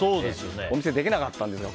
お見せできなかったんですよ。